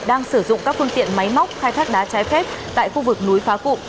đang sử dụng các phương tiện máy móc khai thác đá trái phép tại khu vực núi phá cụm